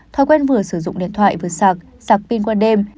thói quen vừa sử dụng điện thoại vừa sạc sạc pin qua đêm